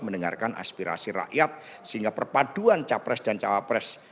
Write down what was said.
mendengarkan aspirasi rakyat sehingga perpaduan capres dan cawapres